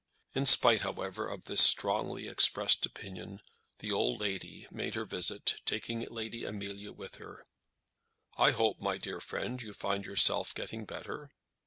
In spite, however, of this strongly expressed opinion, the old lady made her visit, taking Lady Amelia with her. "I hope, my dear, you find yourself getting better."